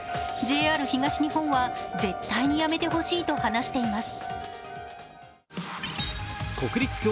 ＪＲ東日本は、絶対にやめてほしいと話しています。